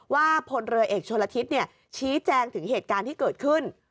พลเรือเอกชนละทิศชี้แจงถึงเหตุการณ์ที่เกิดขึ้น